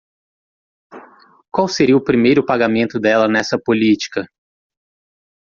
Qual seria o primeiro pagamento dela nessa política?